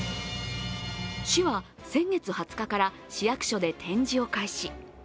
市は先月２０日から市役所で展示を開始。